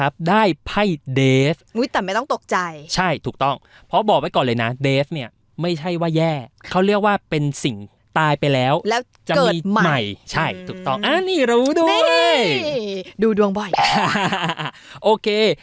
บอกไว้ก่อนเลยนะเดฟเนี้ยไม่ใช่ว่ายแย่เขาเรียกว่าเป็นสิ่งตายไปแล้วแล้วเกิดใหม่ใช่ถูกต้องอ่านี่รู้ด้วยนี่ดูดวงบ่อยโอเค